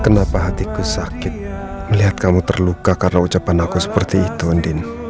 kenapa hatiku sakit melihat kamu terluka karena ucapan aku seperti itu andin